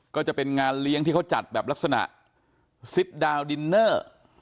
ก็จะเป็นงานเลี้ยงที่เขาจัดแบบลักษณะซิปดาวดินเนอร์